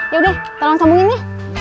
ya udah tolong sambungin nih